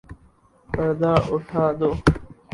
پردہ اٹھادو